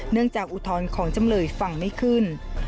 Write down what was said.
เนื่องจากอุทรของจำเลยฝั่งไม่ขึ้น